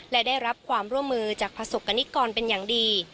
และได้รับความร่วมมือจากประสบกรณิกรเป็นอย่างดี